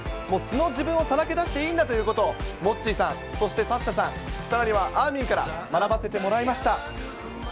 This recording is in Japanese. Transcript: もう素の自分をさらけ出していいんだということを、モッチーさん、そしてサッシャさん、さらにはあーみんから学ばせてもらいました。